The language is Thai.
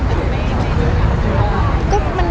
เพราะตอนนี้ก็เป็นเรถ